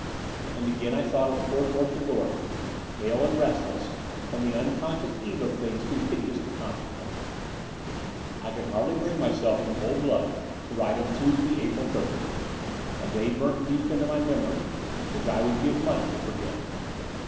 And again I thought of poor tortured Dorothy, pale and restless, on the unconscious eve of things too hideous to contemplate. XII I can hardly bring myself in cold blood to write of Tuesday, April 30th, a day biunt deep into my memory, which I would give much to forget.